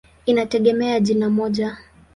Inategemea ya jina moja.